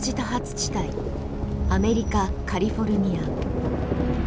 地帯アメリカ・カリフォルニア。